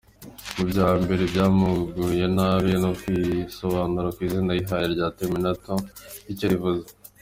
Mu bya mbere byamuguye nabi n’ukwisobanura ku izina yihaye rya Terminator icyo rivuze.